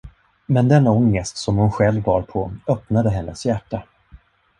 Men den ångest som hon själv bar på, öppnade hennes hjärta.